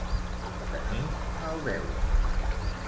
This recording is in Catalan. Tenir mal beure.